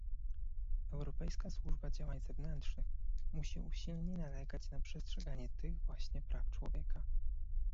Europejska Służba Działań Zewnętrznych musi usilnie nalegać na przestrzeganie tych właśnie praw człowieka